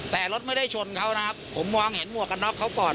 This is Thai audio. แต่รถไม่ได้ชนเขานะครับผมมองเห็นหมวกกันน็อกเขาก่อน